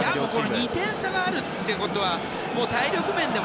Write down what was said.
２点差があるってことは体力面でも